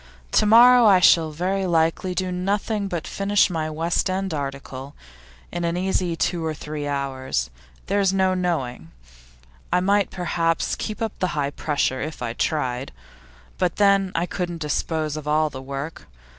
To morrow I shall very likely do nothing but finish my West End article, in an easy two or three hours. There's no knowing; I might perhaps keep up the high pressure if I tried. But then I couldn't dispose of all the work.